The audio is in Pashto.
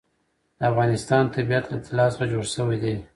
د افغانستان طبیعت له طلا څخه جوړ شوی دی.